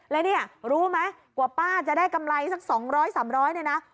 แล้วเนี่ยรู้ไหมกว่าป้าจะได้กำไรสัก๒๐๐๓๐๐เนี่ยนะ